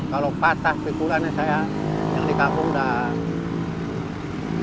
kalau patah pikulan saya yang dik daredatnya